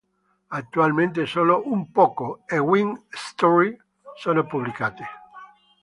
Attualmente solo "Un Poco" e "Wings: Story" sono pubblicate.